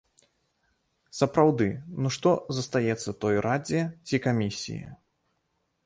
Сапраўды, ну што застаецца той радзе ці камісіі?